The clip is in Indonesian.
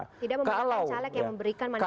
tidak membuatkan caleg yang memberikan money